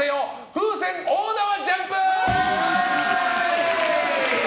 風船大縄ジャンプ！